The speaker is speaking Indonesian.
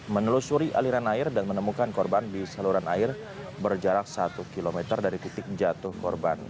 menelusuri aliran air dan menemukan korban di saluran air berjarak satu km dari titik jatuh korban